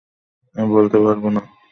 আমি বলতে পারব না!